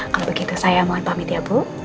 kalau begitu saya mohon pamit ya bu